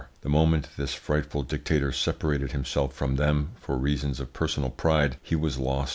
The moment this frightful dictator separated himself from them, for reasons of personal pride, he was lost.